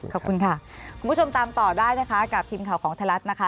ขอบคุณค่ะคุณผู้ชมตามต่อได้นะคะกับทีมข่าวของไทยรัฐนะคะ